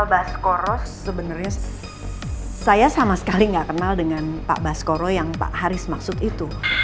pak baskoro sebenarnya saya sama sekali nggak kenal dengan pak baskoro yang pak haris maksud itu